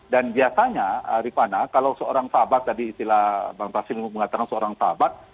dan biasanya ripana kalau seorang sahabat tadi istilah bang tasim mengatakan seorang sahabat